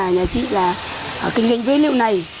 nhà chị là kinh doanh phế liệu này